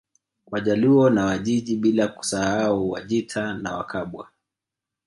Wajaluo na Wajiji bila kusahau Wajita na Wakabwa